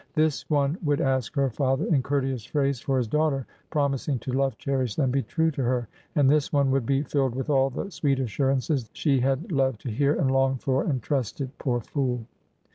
This one would ask her father in courteous | phrase for his daughter, promising to love, cherish, and | be true to her ! And this one would be filled with all the I sweet assurances she had loved to hear and longed for ; and trusted— poor fool!